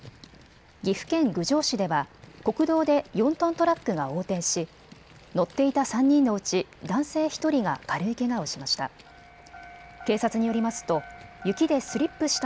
岐阜県郡上市では国道で４トントラックが横転し乗っていた３人のうち男性１人が軽いけがをしました。